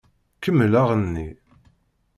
Kemmel aɣenni!